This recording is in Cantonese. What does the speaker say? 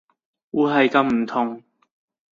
會係咁唔同